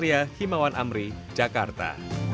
roni satria himawan amri jakarta